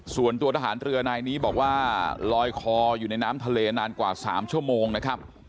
ส่วนตัวทหารเรือนายนี้บอกว่าลอยคออยู่ในน้ำทะเลนานกว่า๓ชั่วโมงนะครับ